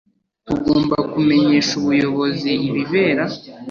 Tugomba kumenyesha ubuyobozi ibibera.